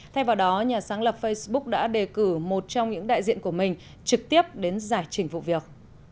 thay vào đó nhà sáng lập facebook đã đề cử một trong những đại diện của mình trực tiếp đến giải trình vụ việc